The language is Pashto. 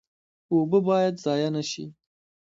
اوبه باید ضایع نشي